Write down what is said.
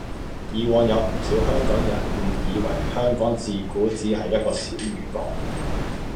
以往有唔少香港人誤以為香港自古只係一個小漁港